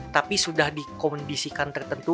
tapi sudah dikondisikan tertentu